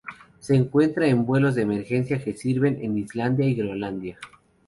Se centra en vuelos de emergencia que sirven en Islandia y Groenlandia.